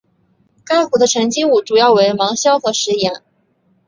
该湖的沉积物主要为芒硝和石盐。